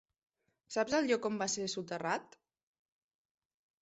Saps el lloc on va ser soterrat?